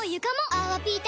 「泡ピタ」！